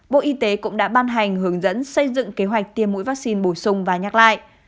bộ y tế cũng đã ban hành hướng dẫn xây dựng kế hoạch tiêm mũi vaccine bổ sung và nhắc lại